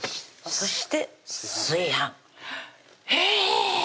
そして「炊飯」へぇ！